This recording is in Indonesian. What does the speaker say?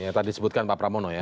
yang tadi disebutkan pak pramono ya